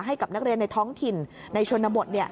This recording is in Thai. ให้กับนักเรียนในท้องถิ่นในชนบท